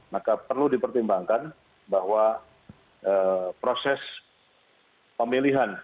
maka perlu dipertimbangkan bahwa proses pemilihan